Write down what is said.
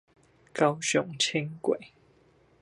高雄輕軌